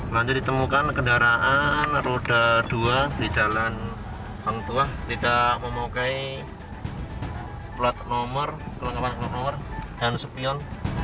lanjut ditemukan kendaraan roda dua di jalan bang tuah tidak memukai plot nomor dan supion